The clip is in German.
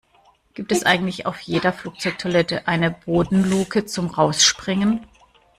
Gibt es eigentlich auf jeder Flugzeugtoilette eine Bodenluke zum Rausspringen?